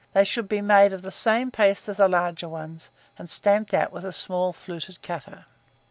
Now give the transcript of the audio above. They should be made of the same paste as the larger ones, and stamped out with a small fluted cutter.